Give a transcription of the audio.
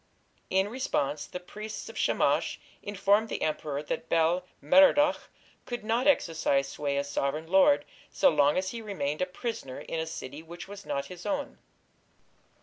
In response, the priests of Shamash informed the emperor that Bel Merodach could not exercise sway as sovereign lord so long as he remained a prisoner in a city which was not his own.